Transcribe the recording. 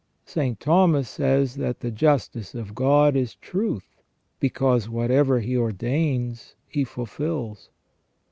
St. Thomas says that the justice of God is truth, because whatever He ordains He fulfils.